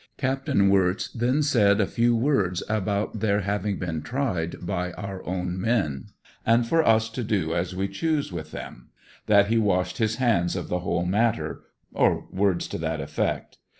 Capt. Wirtz then said a few words about their having been tried by our own men and for us to do as we choose with them, that he washed his hands of the whole matter, or words to that effect.